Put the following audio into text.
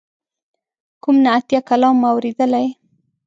کوم نعتیه کلام مو اوریدلی.